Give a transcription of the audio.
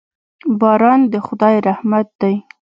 باران د خدای رحمت دی.